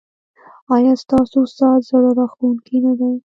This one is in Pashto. ایا ستاسو ساز زړه راښکونکی نه دی؟